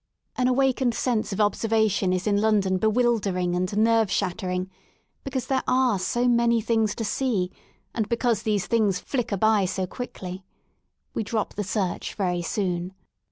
An awakened sense of observation is in London bewilder ing and nerve shattering, because there are so many things to see and because these things flicker by so quickly. We drop the search very soon.